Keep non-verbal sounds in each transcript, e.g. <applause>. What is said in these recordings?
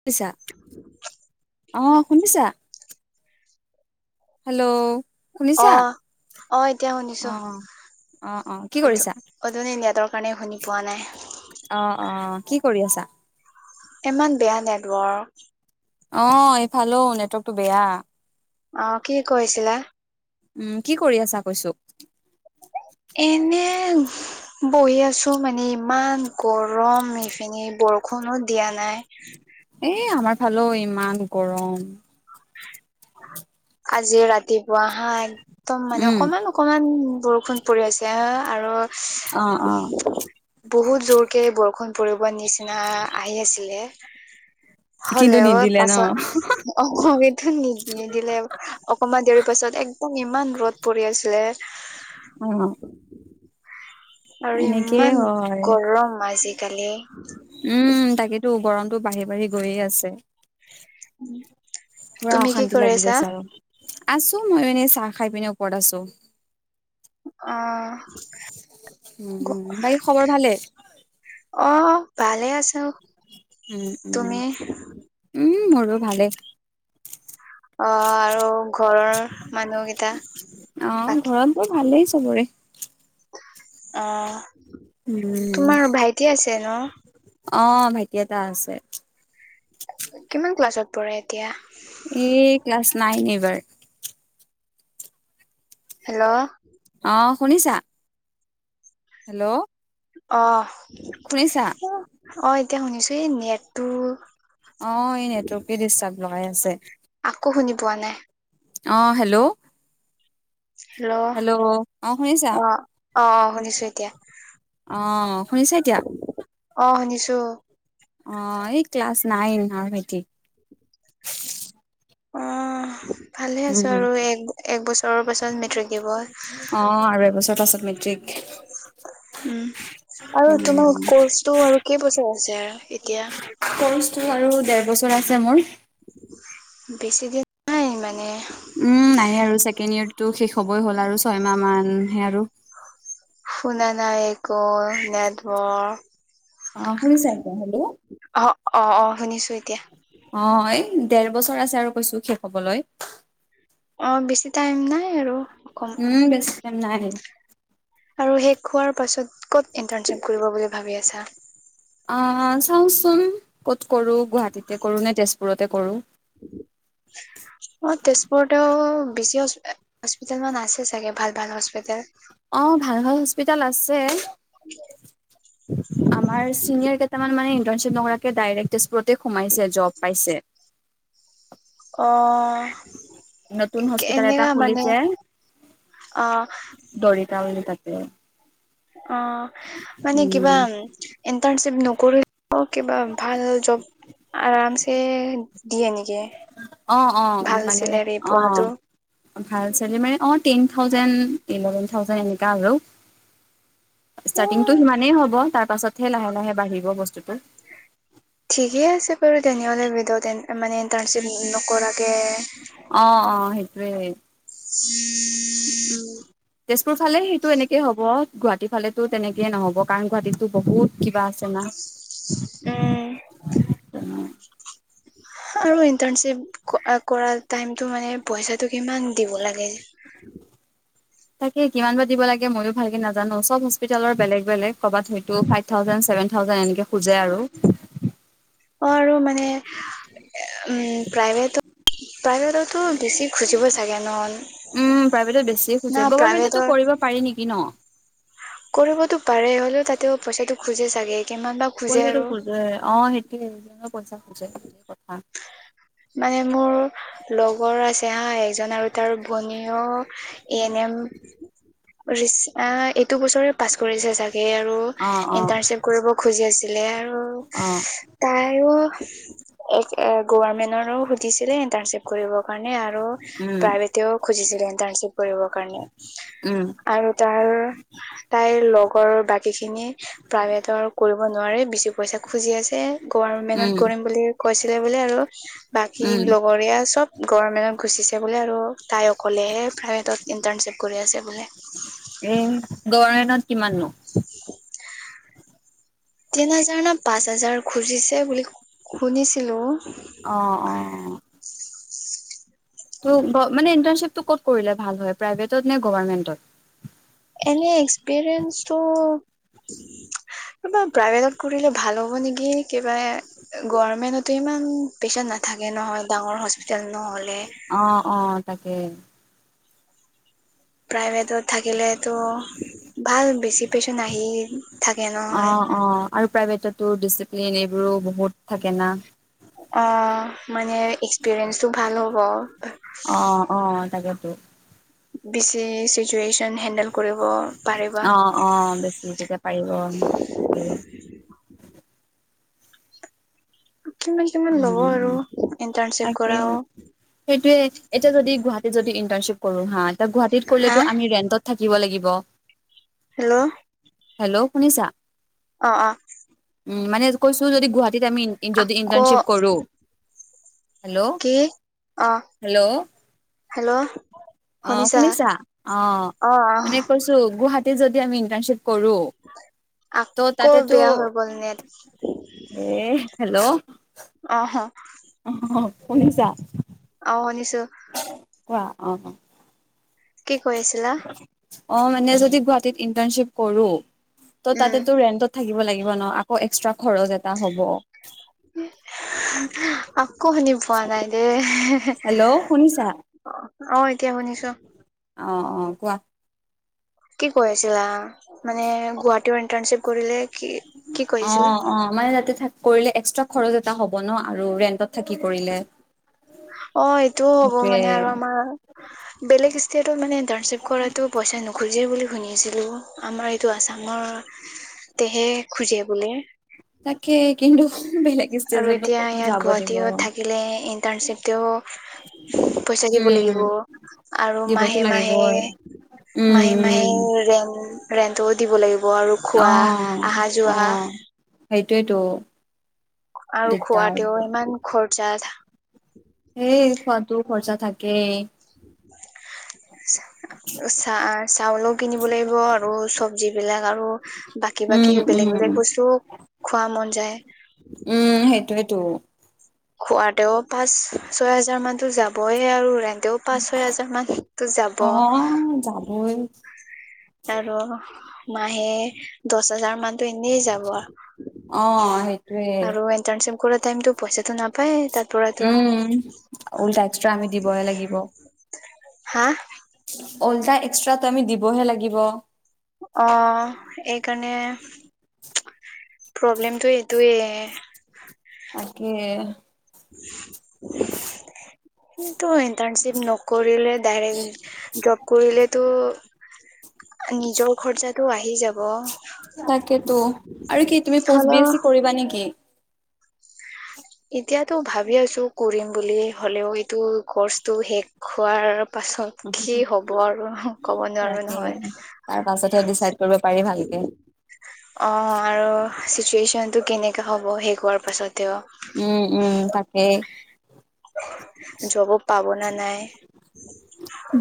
শুনিছা অ শুনিছা। হেল্ল' অ শুনিছা অ এতিয়া শুনিছো অ অ অ কি কৰিছা উজনি নেটৰ কাৰণে শুনি পোৱা নাই অ অ কি কৰি আছা? ইমান বেয়া নেটৱৰ্ক। অ এইফালেও নেটৱৰ্কটো বেয়া। অ কি কৰিছিলা? উম কি কৰি আছা কৈছো? এনে বহি আছো। মানে ইমান গৰম এইপিনে বৰষুণো দিয়া নাই। এ আমাৰ ফালেও ইমান গৰম। আজি ৰাতিপুৱা হা একদম মানে উম অকমান অকমান বৰষুণ পৰি আছে অ আৰু অ অ। বহুত জোৰকে বৰষুণ পৰিবৰ নিচিনা আহি আছিলে কিন্তু হ'লে অ নিদিলে ন পাছত কিন্তু নিদিলে। অকমান দেৰি পাছত একদম ইমান ৰদ পৰি আছিলে অ আৰু এনেকেই ইমান হয় গৰম আজিকালি উম তাকেই। টো গৰমতটো বাঢ়ি বাঢ়ি গৈয়ে আছে। উম। পোৰা অশান্তি লাগি গৈছে আৰু আছো মই এনেই চাহ খাই পিনে ওপৰত আছো। আহ উম বাকী খবৰ ভালে অ ভালে আছ উম তুমি? ভালে। অ আৰু ঘৰৰ মানুহ কেইটা বাকী? খবৰে। অ উম তোমাৰ ভাইটি আছে ন? অ ভাইটি এটা আছে। কিমান ক্লাছত পঢ় এতিয়া? এই ক্লাছ নাইন এইবাৰ। হেল্ল'! অ শুনিছা? হেল্ল'! অ হুনিচা? অ এতিয়া শুনিছোঁ হে নেটটো। অ এই নেটৱৰ্কে ডিষ্টাৰ্ব লগাই আছে। আকৌ শুনি পোৱা নাই। আহ হেল্ল'! হেল্ল' অ অ অ শুনিছো এতিয়া। অ শুনিছ এতিয়া? অ শুনিছো। অ এই ক্লাছ নাইন আমাৰ ভাইটি। আহ। ভালে আছো উম আৰু এক এক বছৰৰ পাছত মেট্ৰিক দিব। অ আৰু এবছৰ পাছত <unintelligible> উম আৰু তোমাৰ উম কৰ্চটো আৰু কেই বছৰ আছে আৰু এতিয়া? দুটা ছেমৰ। বেছি দিন নাই মানে উম নাই আৰু ছেকেণ্ড ইয়েৰটো শেষ হ'বই হ'ল, আৰু ছয়মাহ মানহে আৰু শুনা নাই একো নেটৱৰ্ক অ শুনিছে এতিয়া হেল্ল' অ অ অ শুনিছো এতিয়া অহ এই ডৰ বছৰ আছে আৰু কৈছো শেষ হবলৈ। অ বেছি টাইম নাই আৰু কম উম বেছি টাইম নাই। আৰু শেষ হোৱাৰ পাছত, ক'ত ইন্টাৰ্ণশ্বিপ কৰিব বুলি ভাবি আছা? আহ চাওচোন ক'ত কৰো, গুৱাহাটীতে কৰো নে তেজপুৰতে কৰো। <inaudible> অ তেজপুৰতেও বেছি হস্পিতেল মান আছে চাগে ভাল ভাল হস্পিতেেল। অহ- ভাল ভাল হস্পিতেল আছে। আমাৰ চিনিয়ৰ কেইটামান মানে ইণ্টাৰ্শ্বিপ নৰাকে, ডাইৰেকট তেজপুৰ য়ে সোমাইছে জব পাইছে। অহ নতুন হস্পিটল এটা খুুলিছে। অ দৰিতা বুলি তাতে। অ মানে উম কিবা ইন্টাৰ্ণশ্বিপ নকৰি অ কিবা ভাল জব আৰামছে দিয়ে নেকি? অ অ ভাল মানে চেলাৰী অ পোৱাটো ভাল চেলৰি মানে অ' টেন থাউজেণ্ড ইলেভেন থাউজেণ্ড এনেকা আৰু। ষ্টাৰ্টিংটো সিমানেই হ'ব তাৰ পাছতহে লাহে-লাহে বাঢ়িব বস্তুটো। ঠিকে আছে বাৰু তেনেহ'লে ভডত মানে ইণ্টাৰ্ণশ্বিপ নকৰাকে অ অ সেইটোৱে উম তেজপুৰ ফালে সেইটো এনেকে হ'ব, গুৱাহাটী ফালেতো তেনেকেইে নহ'ব, কাৰণ গুৱাহাটীতো বহুত কিবা আছে। জনাক উম উম অহ আৰু ইণ্টাৰ্ণশ্বিপ কৰা টাইমটো মানে পইচাতো কিমান দিব লাগে? তাকে, কিমান বা দিব লাগে মচয়ো ভালকে নাজানো চব হস্পিতেলৰ বেলেগ বেলেগ ক'ৰবাত হয়তো ফাইভ-থাউজেণ্ট চেভেন থাউজেণ্ট, এনেকে খোজে আৰু। অ আৰু মানে উম প্ৰাইভেটত প্ৰাইভেটততো বেছি খুজিব চাগে নহয়? উম প্ৰাইভেটত বেছি খোজে, গভমেণ্টো কৰিব পাৰি নেকি ন? কৰিবতো পাৰে, হ'লেও তাতেও পইচাটো খোজে চাগে? কিমান বা খোজে পইচাটো আৰু খোজ অ সেইটোয়ে। পইচা খোজে মানে মোৰ লগৰ আছে হা এজন, আৰু তাৰ ভনীয়েও এ এন এম ৰিচা এইটো বছৰে পাছ কৰিছে চাগে? আৰু অ অ ইণ্টাৰনশ্বিপ কৰিব খুজি আছিলে আৰু অ তায়ো গভৰ্মেন্টৰো সুধিছিলে ইন্টাৰ্ণশ্বিপ কৰিব। আৰু উম প্ৰভেট ও খুজিছিল ইন্টাৰ্শিপ কৰিব কাৰণে। উম আৰু তাৰ তাইৰ লগৰ বাকী খিনি প্ৰাইভেটৰ কৰিব নোৱাৰে বেছি পইচা খুজি আছে, গভামেণ্টত উম কৰিম বুলি কৈছিলে বোলে আৰু। বাকী উম লগৰীয়া চব গভমেন্টত গুচিছে বোলে আৰু, তাই অকলেহে প্ৰাইভে তত ইন্টাৰ্ণশ্বিপ কৰি আছে বোলে কিমান নো? তিন হাজাৰ নে পাঁচ হাজাৰ খুজিছে বুলি শুনিছিলো অহ অহ ঠিক আছে। তো মানে ইন্টানশ্বিপটো ক'ত কৰিলে ভাল হয় প্ৰাইভেটত নে গভমেন্টত? এনে এক্সপিৰিয়েন্ঞ্চটো কিবা প্ৰাইভেটত কৰিলে ভাল হ'ব নেকি কিবা গৰমেন্টতে ইমান উম পেছেন্ট নাথাকে নহয় ডাঙৰ হস্পিটেল নহল অ অ তাকে। প্ৰাইভেট। থাকিলেতো ভাল বেছি পেচেণ্ট আহি থাকে নহয়। অ', অ', আৰু প্ৰাইভেটতো ডিচিপ্লিন এইবোৰো বহুত থাকে না। অ মানে এক্সপিৰিয়েন্ঞ্চটো ভাল হ'ব ত। বেছি চিটোৱে অ অ বেছি তেতিয়া পাৰিব <unintelligible> কিমান কিমান ল'ব আৰু উম, ইন্টাৰ্ণশ্বিপ তাকে কৰাও সেইটোয়ে এতিয়া যদি গুৱাহাটীত যদি ইণ্টাৰণশ্বিপ কৰো হা এতিয়া গুৱাহাটীত হা কৰিলেতো আমি ৰেন্টত থাকিব লাগিব হেল্ল'। হেল্ল' শুনিছা? অঁ অঁ উম মানে কৈছো যদি গুৱাহাটীত আমি যদি আকৌ ইন্টানশ্বিপ কৰো। হেল্ল' কি অ হেল্ল' হেল্ল'। অ শুনিছা অ অ অ মানে কৈছো গুৱাহাটীত যদি আমি ইটাৰণশ্বিপ কৰো ত' আকৌ তাতেতো বেয়া হৈ গ'ল নেট। এ হেল্ল' অ শুনিছা? ও শুনিছো। কোৱা অ অ। কি কৈ আছিলা? অ মানে যদি গুৱাহাটীত ইন্টাৰঞ্চিপ কৰোঁ ত উম তাতে তো ৰেণ্টত থাকিব লাগিব থাকিব ন আকৌ এক্সট্ৰা থাকিব ন। খৰচ এটা হ'ব। আকৌ শুনি পোৱা নাই দেই হেল্ল শুনিছা? অ এতিয়া শুনিছো। অ অ কোৱা। কি কৈ আছিলা মানে গুৱাহাটীত ইন্টাৰশ্বিপ কৰিলে কি কি অ কৰিছিলা অ মানে তাতে কৰিলে এক্সট্ৰা খৰচ এটা হ'ব ন আৰু ৰেন্টত থাকি কৰিলে। অ এইটোও হ'ব সেইটোৱে মানে আৰু আমাৰ বেলেগ ষ্টেটত মানে ইন্টানশ্বিপ কৰাটো পইচা নোখোজে বুলি শুনিছিলো আমাৰ এইটো আছামৰ তেহে খোজে বোলে। তাকে কিন্তু। বেলেগ আৰু ষ্টেজতো এতিয়া ক'তনো ইয়াত যাব দিব। গুৱাহাটীত থাকিলে ইন্টাৰ্ণশ্বিপতেও পইচা শিকিব উম, লাগিব আৰু দিবতো মাহে মাহে লাগিবই। উম, মাহে মাহে উম, ৰেণ্ট অ আহা অ যোৱা সেইটোৱেইতো। আৰু খোৱাতেও ইমান খৰচা। হেই খোৱাতো খৰচা থাকেই। <unintelligible> চা চাউলও কিনিব লাগিব আৰু চবজি বিলাক আৰু বাকী উম, বাকী বেলেগ উম, বেলেগ বস্তুও খোৱা মন যায়। উম সেইটোৱেই তো। খোৱা তেও পাঁচ ছয় হাজাৰ মানতো যাবয়ে আৰু ৰা এতিও পাঁচ ছয় হাজাৰ মানটো যাব অ', যাবই। আৰু মাহে দহ হাজাৰ মানতো এনেই যাব আৰু অ সেইটোয়ে ইণ্টাৰ্ণশ্বিপ কৰা টাইমতটো পইচাটো নাপায় তাৰ পৰাতো উম উল্টা এক্সট্ৰা আমি দিবহে লাগিব। হা অল্টা এক্সট্ৰাটো আমি দিবহে লাগিব। অ এইকাৰণে প্ৰব্লেমটো এইটোয়ে ৱে তাকে উম <unintelligible> ইণ্টাৰ্ণশ্বিপ নকৰিলে ডাইৰেক্ট জ্বব কৰিলেতো নিজৰ খৰচাটো আহি যাব তাকেতো আৰু কি তুমি পষ্ট বি হ'লেও এছ চি কৰিবা নেকি? এতিয়াতো ভাবি আছো কৰিম বুলি হ'লেও এইটো গছটো শেষ হোৱাৰ পাছত কি হব আৰু ক'ব নোৱাৰো তাকে নহয় তাৰ পাছতহে ডিচাইড কৰিব পাৰি ভালকে অ আৰু চিটুৱেচন টো কেনেকাে হ'ব সে কৰোৱাৰ পাছতও উম উম তাকে জব পাব না নাই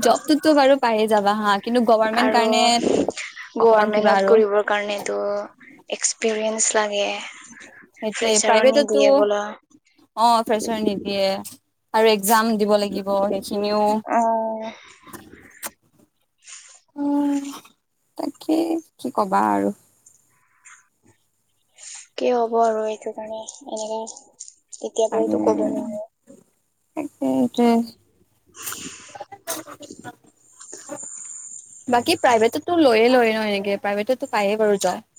জবটোতো বাৰু পায়ে যাবা হা কিন্তু গভাৰমেন্ট আৰু কাৰণে অকমান কিবা গভাৰমেন্টত আৰু কৰিবৰ কাৰণেটো এক্ এক্সপিৰিয়েঞ্চ লাগে সেইটোয়ে প্ৰেছাৰো প্ৰাইভেটতো নিদিয়ে বোল অ ফ্ৰেচাৰ নিদিয়ে আৰু জাম দিব লাগিব সেইখিনিও অ উ তাকে কি কবা আৰু কি হ'ব আৰু এইটো কাৰণে এনেকে কেতিয় আৰু পৰাতো কব তাকে সেইটোৱে নোৱাৰো <unintelligible> <unintelligible> বাকী প্ৰাইভেটো লৈয়ে লয় ন এনেকে প্ৰাইভেটতো পায়ে বাৰু জ্বব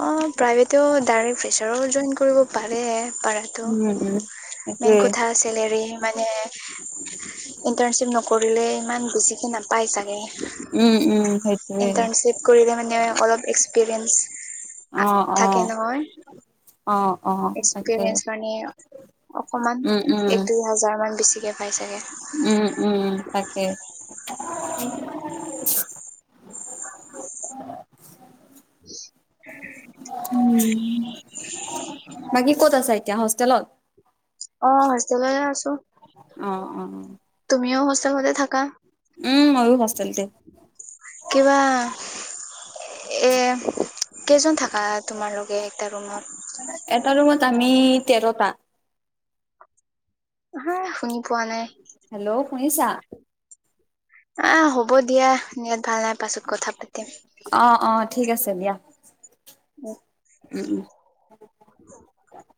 অ প্ৰাইভেটও ডাইৰে্ট প্ৰেচাৰ জইন কৰিব পাৰে। পাৰাটো উম মেইন সেইটোৱে কথা চলেৰ মানে ইন্টাৰ্ণশিপ ন কৰিলে ইমান বেছিকে নাপায় চাগে উম উম সেইটোৱে ইনট্ৰানচিপ কৰিলে মানে অলপ এক্সপ্ৰিয়েছ আহ অ অ অ তাকেই এক্সপিৰিয়েঞ্চ মানে অকমান উম উম এক দুই হাজাৰ মান বেছিকে পাই চাগে উম উম তাকে <unintelligible> <inaudible> উম বাকী ক'ত আছা এতিয়া হোষ্টেলত অ হোষ্টেললৈ আছো <inaudible> তুমিও হোষ্টেলতে থাকা উম, ময়ো হোষ্টেলতে কিবা এ কেইজন থাকা তোমালোকে এটা ৰুমত এটা ৰুমত আমি তেৰটা হাই শুনি পোৱা নাই হেল্ল' শুনিছা আহ হ'ব দিয়া নেটত ভাল নাই কথা পাতিম এই দিয়া উ উম, উম। <unintelligible>